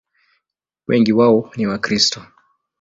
Wengi wao ni Wakristo.